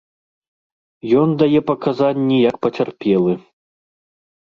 Ён дае паказанні як пацярпелы.